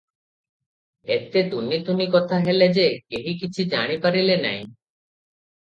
ଏତେ ତୁନି ତୁନି କଥା ହେଲେ ଯେ, କେହି କିଛି ଜାଣି ପାରିଲେ ନାହିଁ ।